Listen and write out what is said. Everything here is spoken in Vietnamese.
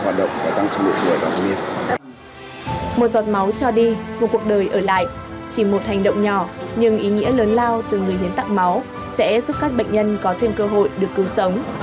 một giọt máu cho đi một cuộc đời ở lại chỉ một hành động nhỏ nhưng ý nghĩa lớn lao từ người hiến tặng máu sẽ giúp các bệnh nhân có thêm cơ hội được cứu sống